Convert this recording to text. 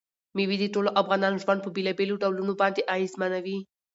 مېوې د ټولو افغانانو ژوند په بېلابېلو ډولونو باندې اغېزمنوي.